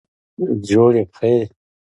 Wardair was a small but steadily growing company.